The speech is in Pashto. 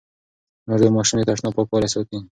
مور د ماشوم د تشناب پاکوالی ساتي.